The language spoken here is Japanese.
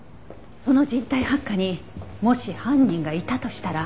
この人体発火にもし犯人がいたとしたら。